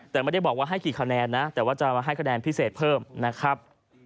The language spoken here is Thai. แต่ไม่ได้บอกว่าให้กี่คะแนนนะแต่ว่าจะมาให้คะแนนพิเศษเพิ่มนะครับ